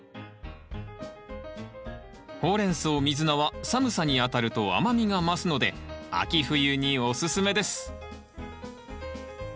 ホウレンソウミズナは寒さにあたると甘みが増すので秋冬におすすめです。